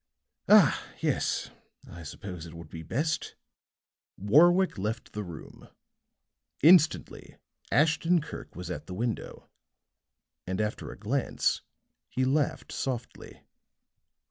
"Ah, yes. I suppose it would be best." Warwick left the room. Instantly Ashton Kirk was at the window, and after a glance, he laughed softly.